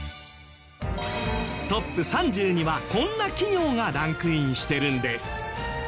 トップ３０にはこんな企業がランクインしてるんです。